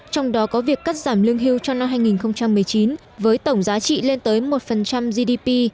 trong đó có việc cắt giảm lương hưu cho năm hai nghìn một mươi chín với tổng giá trị lên tới một gdp